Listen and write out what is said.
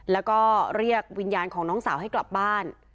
แล้วก็เรียกวิญญาณของน้องสาวให้กลับบ้าน